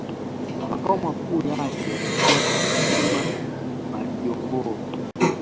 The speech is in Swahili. Makao makuu yake yalikuwa Kisima majongoo